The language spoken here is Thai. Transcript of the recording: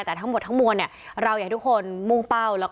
แต่ทั้งหมดทั้งมวลเนี่ยเราอยากให้ทุกคนมุ่งเป้า